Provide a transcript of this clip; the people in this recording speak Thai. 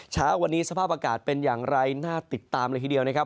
เช้าวันนี้สภาพอากาศเป็นอย่างไรน่าติดตามเลยทีเดียวนะครับ